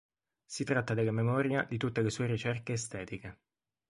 Si tratta della memoria di tutte le sue ricerche estetiche.